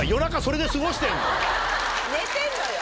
寝てんのよ